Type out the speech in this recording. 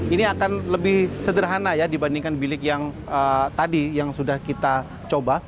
ini akan lebih sederhana ya dibandingkan bilik yang tadi yang sudah kita coba